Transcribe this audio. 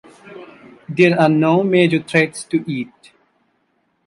There are no major threats to it.